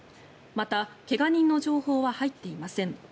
また、怪我人の情報は入っていません。